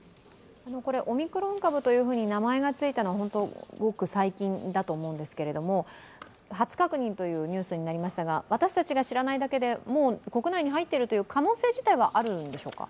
オミクロン株というふうに名前が付いたのはごく最近だと思うんですけれども、初確認というニュースになりましたが私たちが知らないだけで、もう国内に入っている可能性自体はあるんでしょうか？